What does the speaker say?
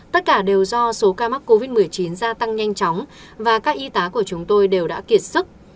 tất cả đều do số ca mắc covid một mươi chín gia tăng nhanh chóng và các y tá của chúng tôi đều đã kiệt sức